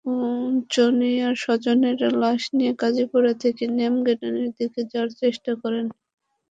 জনিয়ার স্বজনেরা লাশ নিয়ে কাজীপাড়া থেকে ন্যাম গার্ডেনের দিকে যাওয়ার চেষ্টা করেন।